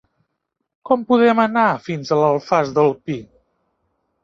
Com podem anar fins a l'Alfàs del Pi?